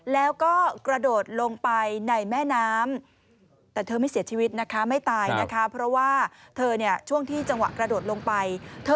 แล้วก็กระโดดลงไป